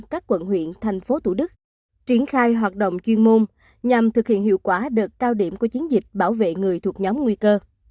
các quận huyện thành phố thủ đức triển khai hoạt động chuyên môn nhằm thực hiện hiệu quả đợt cao điểm của chiến dịch bảo vệ người thuộc nhóm nguy cơ